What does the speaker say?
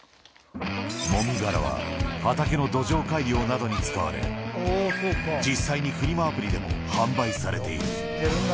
もみ殻は、畑の土壌改良などに使われ、実際にフリマアプリでも販売されている。